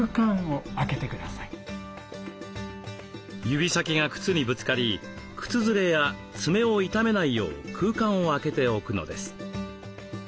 指先が靴にぶつかり靴ずれや爪を傷めないよう空間を空けておくのです。